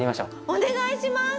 お願いします！